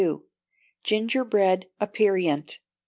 Gingerbread Aperient.